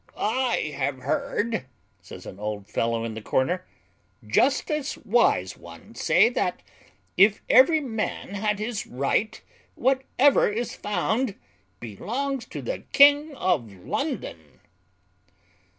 "I have heard," says an old fellow in the corner, "justice Wise one say, that, if every man had his right, whatever is found belongs to the king of London."